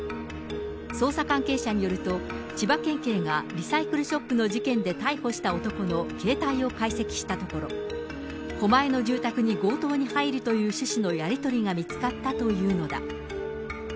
捜査関係者によると、千葉県警がリサイクルショップの事件で逮捕した男の携帯を解析したところ、狛江の住宅に強盗に入るという趣旨のやり取りが見つかったというのだ。